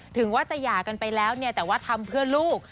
ถึงว่าจะหย่ากันไปแล้วเนี่ยแต่ว่าทำเพื่อลูก